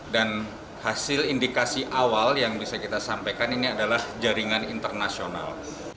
dan hasil indikasi awal yang bisa kita sampaikan ini adalah jaringan internasional